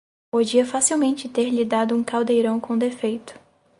podia facilmente ter-lhe dado um caldeirão com defeito.